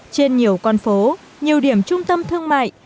trên nhiều con phố nhiều điểm trung tâm thương mại